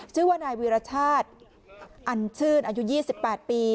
ชื่อว่านายวีรชาติอันชื่นอายุ๒๘ปี